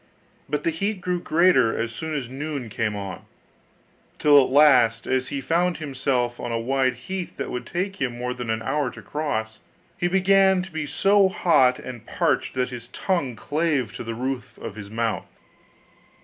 But the heat grew greater as soon as noon came on, till at last, as he found himself on a wide heath that would take him more than an hour to cross, he began to be so hot and parched that his tongue clave to the roof of his mouth.